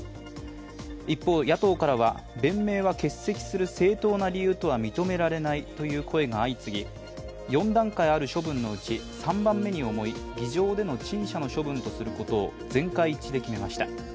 一方、野党からは弁明は欠席する正当な理由とは認められないという声が相次ぎ、４段階ある処分のうち３番目に重い議場での陳謝の処分とすることを全会一致で決めました。